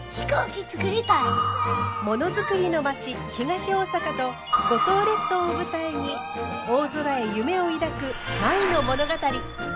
ものづくりの町東大阪と五島列島を舞台に大空へ夢を抱く舞の物語。